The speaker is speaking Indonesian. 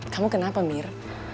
kamu kenapa mir